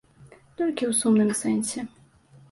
Толькі ў сумным сэнсе.